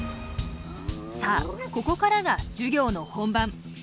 さあここからが授業の本番。